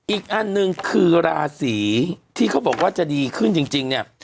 อีกอันหนึ่งคือราศีที่เขาบอกว่าจะดีขึ้นจริงเนี่ย